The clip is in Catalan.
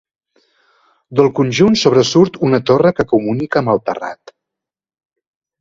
Del conjunt sobresurt una torre que comunica amb el terrat.